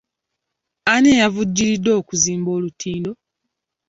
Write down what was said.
Ani eyavujjiridde okuzimba olutindo?